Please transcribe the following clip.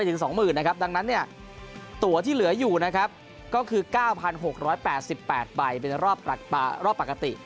ถึง๒๐๐๐นะครับดังนั้นเนี่ยตัวที่เหลืออยู่นะครับก็คือ๙๖๘๘ใบเป็นรอบปกติ